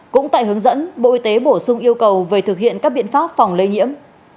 cũng tại hướng dẫn bộ y tế bổ sung yêu cầu về thực hiện các biện pháp phòng lây nhiễm